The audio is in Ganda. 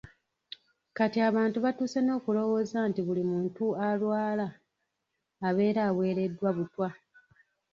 Kati abantu batuuse n'okulowooza nti buli muntu alwala abeera aweereddwa butwa.